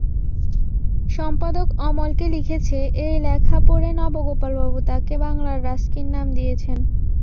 সম্পাদক অমলকে লিখেছে, এই লেখা পড়ে নবগোপালবাবু তাকে বাংলার রাস্কিন নাম দিয়েছেন।